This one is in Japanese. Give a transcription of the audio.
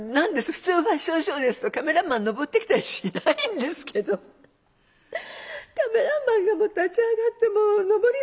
普通ファッションショーですとカメラマンのぼってきたりしないんですけどカメラマンがもう立ち上がってもうのぼりそうな雰囲気でね。